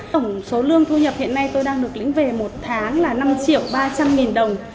tổng số lương thu nhập hiện nay tôi đang được lĩnh về một tháng là năm triệu ba trăm linh nghìn đồng